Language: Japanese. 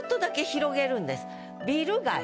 「ビル街」。